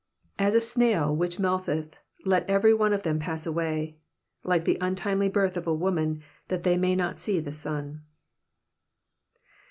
8 As a snail which melteth, let every one of them pass away : like the untimely birth of a woman, that they may not see the sun.